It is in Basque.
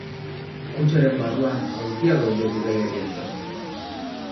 Kutxaren barruan aulkiak daude bidaiarientzat.